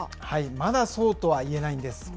まだそうとは言えないんです。